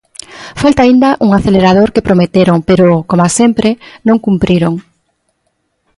Falta aínda un acelerador, que prometeron pero, coma sempre, non cumpriron.